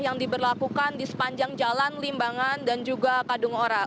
yang diberlakukan di sepanjang jalan limbangan dan juga kadung orak